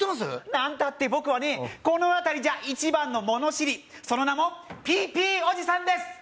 なんたって僕はねこの辺りじゃ一番の物知りその名もピーピーおじさんです